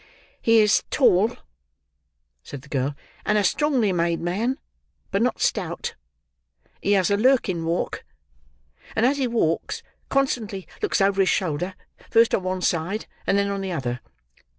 "He is tall," said the girl, "and a strongly made man, but not stout; he has a lurking walk; and as he walks, constantly looks over his shoulder, first on one side, and then on the other.